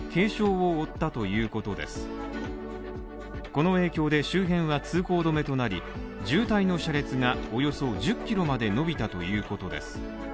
この影響で周辺は通行止めとなり、渋滞の車列がおよそ１０キロまで延びたいうことです。